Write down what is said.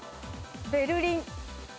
ベルリン。